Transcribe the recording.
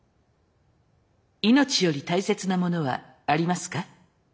命より大切なものはありますか？